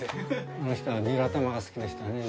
あの人はにら玉が好きでしたね。